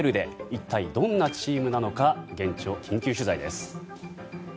一体どんなチームなのか現地を緊急取材です。